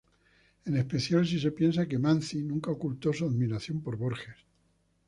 En especial si se piensa que Manzi nunca ocultó su admiración por Borges.